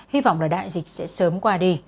hy vọng là đại dịch sẽ sớm qua đi